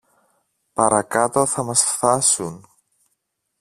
Παρακάτω θα μας φθάσουν.